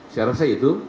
saya rasa itu